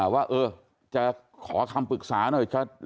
ว่าจะขอคำปรึกษาหน่อย